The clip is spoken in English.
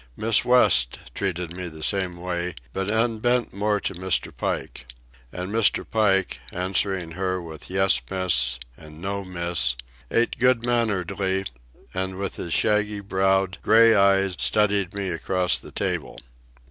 Miss West treated me the same way, but unbent more to Mr. Pike. And Mr. Pike, answering her with "Yes, Miss," and "No, Miss," ate good manneredly and with his shaggy browed gray eyes studied me across the table.